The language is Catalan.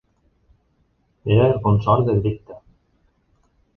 Era el consort de Bricta.